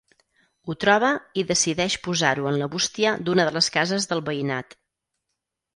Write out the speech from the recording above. Ho troba i decideix posar-ho en la bústia d'una de les cases del veïnat.